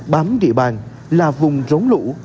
bám địa bàn là vùng rốn lũ